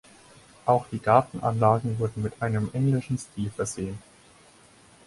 Auch die Gartenanlagen wurden mit einem englischen Stil versehen.